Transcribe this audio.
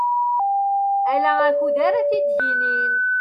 Ala akud ara t-id-yinin.